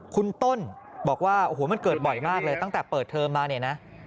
คุณต้นบอกว่าโอ้โหมันเกิดบ่อยมากเลยตั้งแต่เปิดเทอมมาเนี่ยนะ